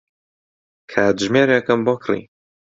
کاتژمێرێکم بۆ کڕی.